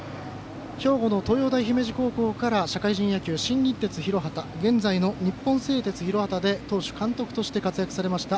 兵庫の東洋大姫路高校から社会人野球、新日鉄広畑現在の日本製鉄広畑で投手、監督として活躍されました